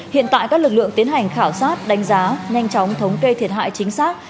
hiện tại các lực lượng tiến hành khảo sát đánh giá nhanh chóng thống kê thiệt hại chính xác